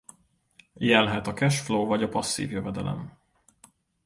Ilyen lehet a cash flow vagy a passzív jövedelem.